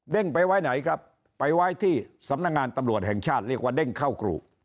ไปไว้ไหนครับไปไว้ที่สำนักงานตำรวจแห่งชาติเรียกว่าเด้งเข้ากรุ